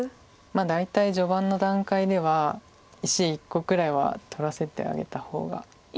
大体序盤の段階では石１個くらいは取らせてあげた方が。